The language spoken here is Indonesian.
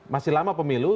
masih lama pemilu